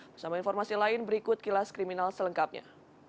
bersama informasi lain berikut kilas kriminal selengkapnya